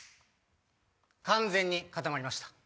完全に固まりました。